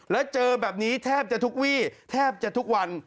แล้วเจอแบบนี้แทบจะทุกวี่แทบจะทุกวัน